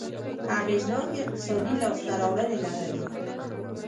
اغېزناکې اقتصادي لاسته راوړنې لرلې.